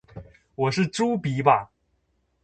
我是猪鼻吧